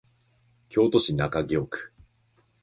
京都市中京区